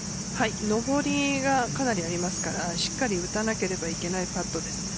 上りが、かなりありますからしっかり打たなければいけないパットです。